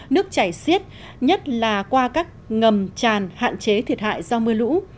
nước chảy xiết nhất là qua các ngầm tràn hạn chế thiệt hại do mưa lũ